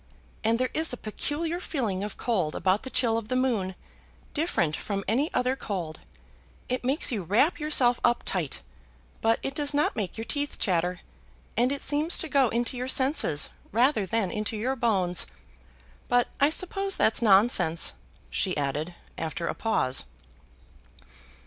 And there is a peculiar feeling of cold about the chill of the moon, different from any other cold. It makes you wrap yourself up tight, but it does not make your teeth chatter; and it seems to go into your senses rather than into your bones. But I suppose that's nonsense," she added, after a pause.